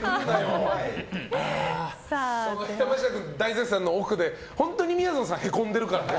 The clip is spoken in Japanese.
山下君大絶賛の奥で本当にみやぞんさんがへこんでるからね。